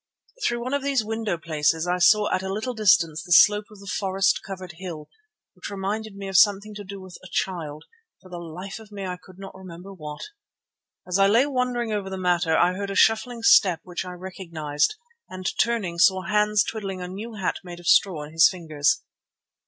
Through one of these window places I saw at a little distance the slope of the forest covered hill, which reminded me of something to do with a child—for the life of me I could not remember what. As I lay wondering over the matter I heard a shuffling step which I recognized, and, turning, saw Hans twiddling a new hat made of straw in his fingers.